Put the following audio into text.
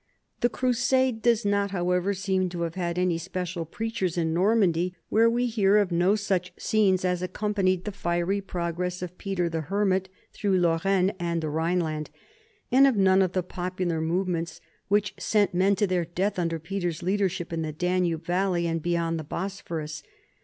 The crusade does not, however, seem to have had any special preachers in Normandy, where we hear of no such scenes as accompanied the fiery progress of Peter the Hermit through Lorraine and the Rhineland, and of none of the popular movements which sent men to their death under Peter's leadership in the Danube valley and beyond the Bosporus.